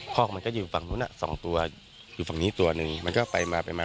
คอกมันก็อยู่ฝั่งนู้นอ่ะสองตัวอยู่ฝั่งนี้ตัวหนึ่งมันก็ไปมาไปมา